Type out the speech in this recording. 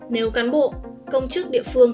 nếu cán bộ công chức địa phương